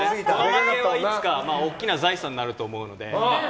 負けはいつか大きな財産になると思うので。